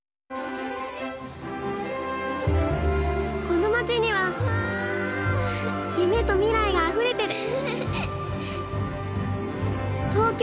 この街には夢と未来があふれてる。